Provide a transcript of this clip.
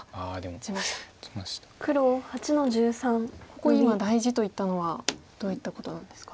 ここ今大事と言ったのはどういったことなんですか？